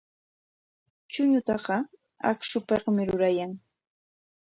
Chuñutaqa akshupikmi rurayan.